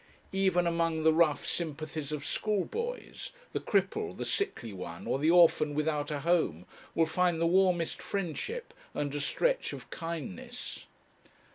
Even among the rough, sympathies of schoolboys, the cripple, the sickly one, or the orphan without a home, will find the warmest friendship and a stretch of kindness.